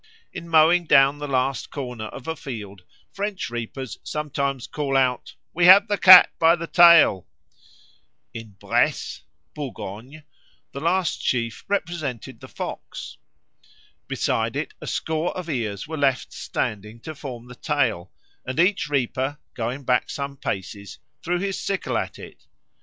In mowing down the last corner of a field French reapers sometimes call out, "We have the cat by the tail." In Bresse (Bourgogne) the last sheaf represented the fox. Beside it a score of ears were left standing to form the tail, and each reaper, going back some paces, threw his sickle at it.